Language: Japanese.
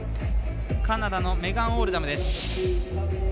カナダのメガン・オールダムです。